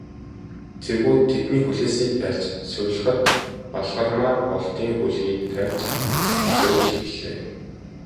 Цэргүүд тэдний хүлээсийг тайлж, сувилахад, Балгармаа Болдын хүлгийг тайлж сувилж эхэллээ.